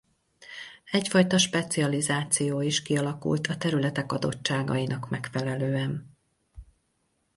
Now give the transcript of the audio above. Egyfajta specializáció is kialakult a területek adottságainak megfelelően.